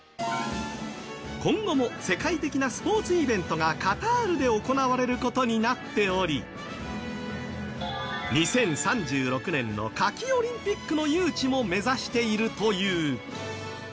今後も世界的なスポーツイベントがカタールで行われることになっており２０３６年の夏季オリンピックの誘致も目指しているという。